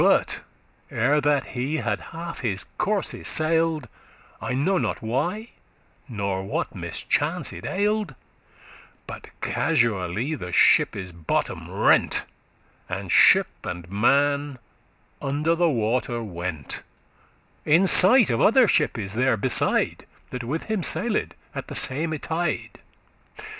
But, ere that he had half his course sail'd, I know not why, nor what mischance it ail'd, But casually* the ship's bottom rent, *by accident And ship and man under the water went, In sight of other shippes there beside That with him sailed at the same tide.